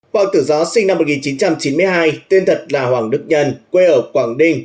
hoàng tử giáo sinh năm một nghìn chín trăm chín mươi hai tên thật là hoàng đức nhân quê ở quảng ninh